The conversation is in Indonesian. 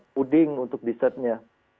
puding untuk dessertnya